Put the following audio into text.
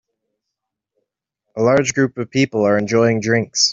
A large group of people are enjoying drinks.